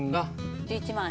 １１万円。